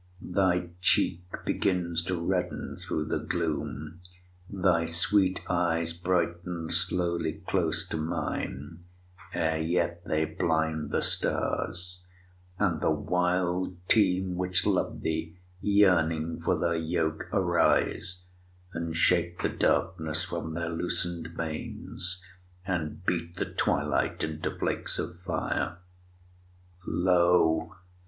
Thy cheek begins to redden thro' the gloom, Thy sweet eyes brighten slowly close to mine, Ere yet they blind the stars, and the wild team Which love thee, yearning for thy yoke, arise, And shake the darkness from their loosen'd manes, And beat the twilight into flakes of fire. Lo!